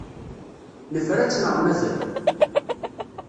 Nefra-tt neɣ mazal?